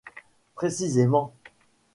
Précisément !